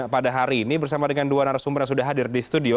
pada hari ini bersama dengan dua narasumber yang sudah hadir di studio